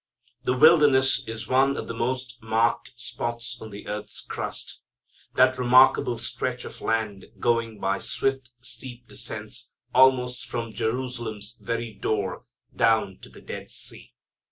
The wilderness is one of the most marked spots on the earth's crust. That remarkable stretch of land going by swift, steep descents almost from Jerusalem's very door down to the Dead Sea.